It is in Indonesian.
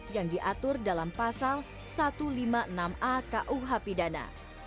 yang diatur dalam pasal satu ratus lima puluh enam a kuh pidana